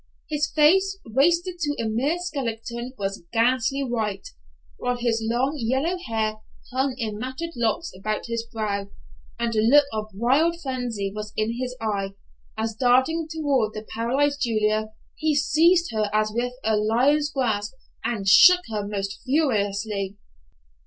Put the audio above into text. His face, wasted to a mere skeleton, was ghastly white, while his long yellow hair hung in matted locks about his brow, and a look of wild frenzy was in his eye, as darting toward the paralyzed Julia, he seized her as with a lion's grasp and shook her most furiously.